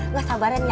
nggak sabarin ya